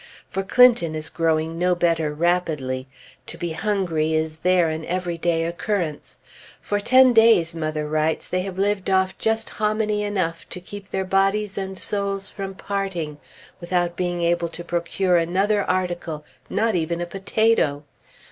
For Clinton is growing no better rapidly. To be hungry is there an everyday occurrence. For ten days, mother writes, they have lived off just hominy enough to keep their bodies and souls from parting, without being able to procure another article not even a potato.